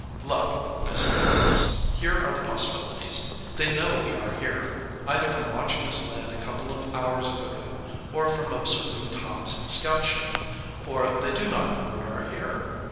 "Look," I said at last, "here are the possibilities. They know we are here either from watching us land a couple of hours ago or from observing Tom's scout ship or they do not know we are here.